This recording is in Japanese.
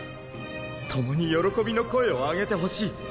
ともに喜びの声をあげてほしい。